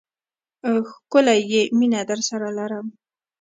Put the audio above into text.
ښکلی یې، مینه درسره لرم